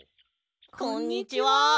こんにちは。